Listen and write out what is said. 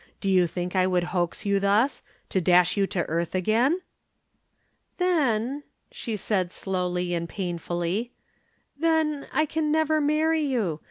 Do you think I would hoax you thus to dash you to earth again?" "Then," she said slowly and painfully, "then I can never marry you.